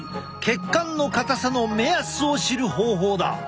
血管の硬さの目安を知る方法だ。